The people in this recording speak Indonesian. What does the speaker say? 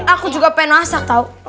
aku juga pengen masak tau